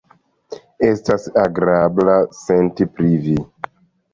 Estas agrabla senti pri Vi.